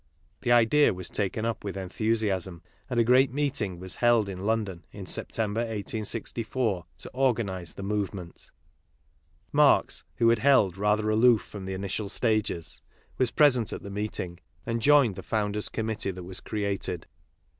The idea was taken up with enthusiasm and a great meeting was held in London in September, 1864, to organize the movement. Marx, who had held rather aloof from the initial stao es, was present at the meeting, and joined the Founders' Com mittee that was created.